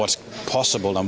dan alasannya bukan karena kami